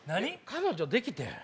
彼女できてん。